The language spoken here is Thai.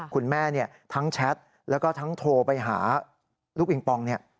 คุณแม่เนี่ยทั้งแชทแล้วก็ทั้งโทรไปหาลูกอิงปองเนี่ย